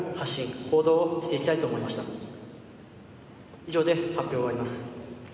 以上で発表を終わります。